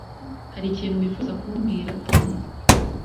Hari ikintu wifuza kubwira Tom?